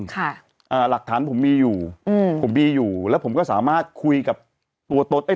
ค่ะอ่าหลักฐานผมมีอยู่อืมผมมีอยู่แล้วผมก็สามารถคุยกับตัวตนเอ้